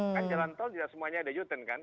kan jalan tol semuanya ada yuten kan